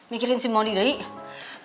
mikirin si mondi deh